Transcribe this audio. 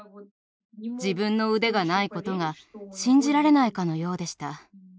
自分の腕がないことが信じられないかのようでした。